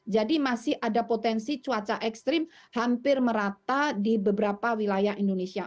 jadi masih ada potensi cuaca ekstrim hampir merata di beberapa wilayah indonesia